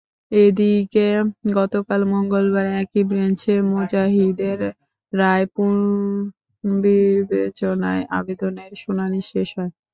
এদিকে, গতকাল মঙ্গলবার একই বেঞ্চে মুজাহিদের রায় পুনর্বিবেচনার আবেদনের শুনানি শেষ হয়।